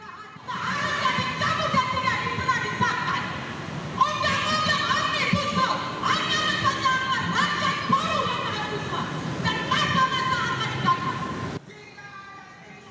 untuk mencabut undang undang omnibus law